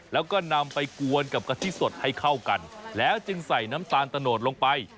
แล้วก็นำไปกวนกับกะทิสดให้เข้ากันแล้วจึงใส่น้ำตาลตะโนดลงไป